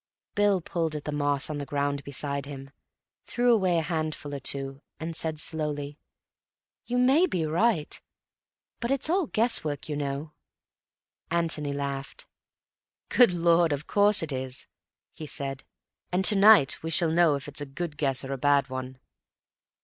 Bill pulled at the moss on the ground beside him, threw away a handful or two, and said slowly, "You may be right, but it's all guess work, you know." Antony laughed. "Good Lord, of course it is," he said. "And to night we shall know if it's a good guess or a bad one."